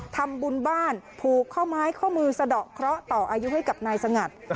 ทำบุญบ้านผูกข้อไม้ข้อมือสะดอกเคราะห์ต่ออายุให้กับนายสงัด